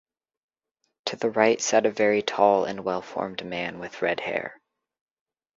To the right sat a very tall and well-formed man with red hair.